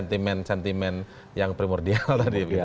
masih memperhatikan sentimen sentimen yang primordial tadi